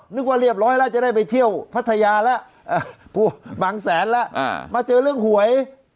นึกว่าเรียบร้อยแล้วจะได้ไปเที่ยวพัทยาแล้วบางแสนแล้วมาเจอเรื่องหวย